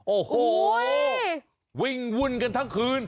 โอ้โหวิ่งวุ่นกันทั้งคืน